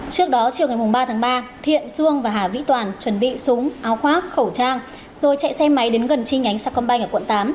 trước đó chiều ngày ba tháng ba thiện xuân và hà vĩ toàn chuẩn bị súng áo khoác khẩu trang rồi chạy xe máy đến gần chi nhánh sa công banh ở quận tám